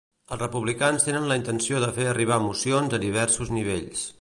Els republicans tenen la intenció de fer arribar mocions a diversos nivells.